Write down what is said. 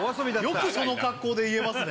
よくその格好で言えますね